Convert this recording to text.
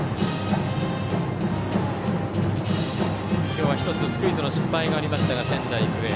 今日は１つ、スクイズの失敗がありました、仙台育英。